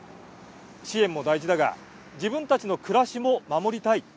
支援も大事だが自分たちの暮らしも守りたい。